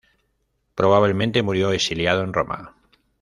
Probablemente murió exiliado en Roma.